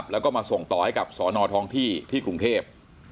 แล้วก็มาส่งต่อให้กับสอนอท้องที่ที่กรุงเทพ